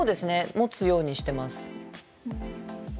持つようにしてます。